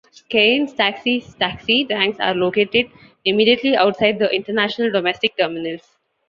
Cairns Taxis taxi ranks are located immediately outside the International and Domestic Terminals.